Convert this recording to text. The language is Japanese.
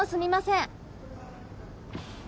ん？